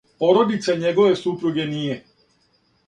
Породица његове супруге није.